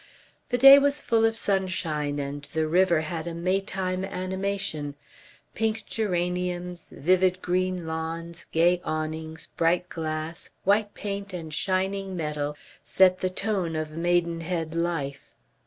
The day was full of sunshine and the river had a Maytime animation. Pink geraniums, vivid green lawns, gay awnings, bright glass, white paint and shining metal set the tone of Maidenhead life.